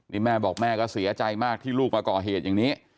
นี่แม่บอกแม่ก็เสียใจมากที่ลูกมาก่อเหตุอย่างนี้